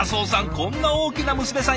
こんな大きな娘さん